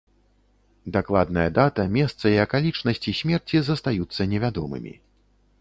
Дакладная дата, месца і акалічнасці смерці застаюцца невядомымі.